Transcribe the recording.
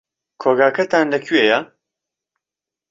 کۆگاکەتان لەکوێیە؟